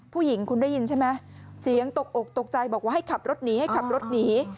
ผู้หญิงคุณได้ยินใช่ไหมเสียงตกอกตกใจบอกว่าให้ขับรถหนีให้ขับรถหนี